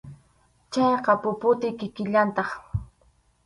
Chayqa puputi kikillantaq.